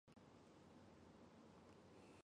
此地还有一处同名的山中小屋。